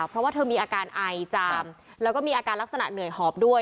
เพราะว่าเธอมีอาการไอจามแล้วก็มีอาการลักษณะเหนื่อยหอบด้วย